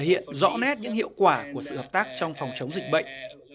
chúng tôi sẽ thể hiện rõ nét những hiệu quả của sự hợp tác trong phòng chống dịch bệnh